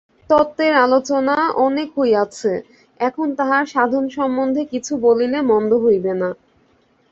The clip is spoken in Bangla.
তত্ত্বের আলোচনা অনেক হইয়াছে, এখন তাহার সাধন সম্বন্ধে কিছু বলিলে মন্দ হইবে না।